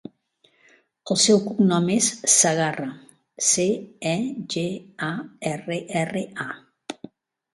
El seu cognom és Cegarra: ce, e, ge, a, erra, erra, a.